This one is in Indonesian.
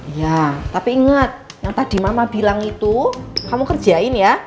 iya tapi ingat yang tadi mama bilang itu kamu kerjain ya